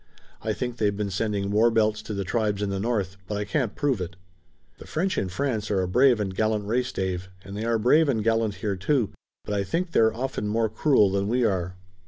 I think they've been sending war belts to the tribes in the north, but I can't prove it." "The French in France are a brave and gallant race, Dave, and they are brave and gallant here too, but I think they're often more cruel than we are."